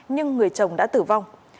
nhưng người chồng đã tử vong